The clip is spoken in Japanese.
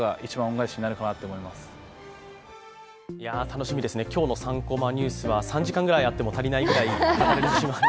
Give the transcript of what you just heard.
楽しみですね、今日の３コマニュースは３時間くらいあっても足りない気がします。